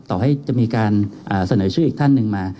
ต่อให้จะมีการเสนอชื่ออีกท่านหนึ่งมา